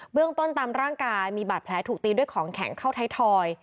เรื่องต้นตามร่างกายมีบาดแผลถูกตีด้วยของแข็งเข้าไทยทอย